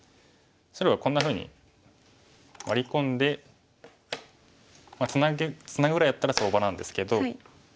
白がこんなふうにワリ込んでツナぐぐらいだったら相場なんですけど。